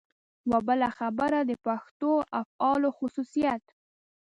یوه بله خبره د پښتو افعالو خصوصیت.